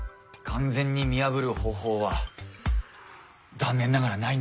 完全に見破る方法は残念ながらないんです。